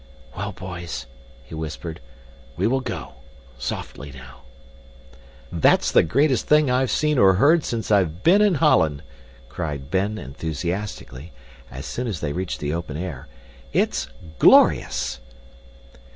"Well, boys," he whispered, "we will go. Softly now." "That's the greatest thing I've seen or heard since I've bee in Holland!" cried Ben enthusiastically, as soon as they reached the open air. "It's glorious!"